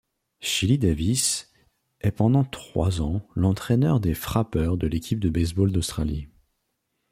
Chili Davis est pendant trois ans l'entraîneur des frappeurs de l'équipe de baseball d'Australie.